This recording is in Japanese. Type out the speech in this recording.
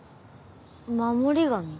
守り神？